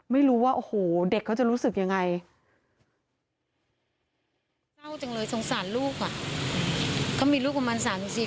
ไม่รู้ว่าโอ้โหเด็กเขาจะรู้สึกอย่างไร